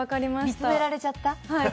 見つめられちゃった？